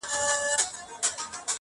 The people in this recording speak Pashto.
د نیکه او د بابا په کیسو پايي-